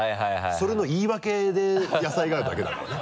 それの言い訳で野菜があるだけだからね。